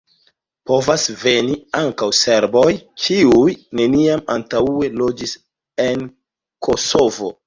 Povas veni ankaŭ serboj, kiuj neniam antaŭe loĝis en Kosovo.